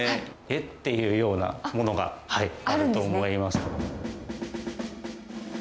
えっていうようなものがあると思います。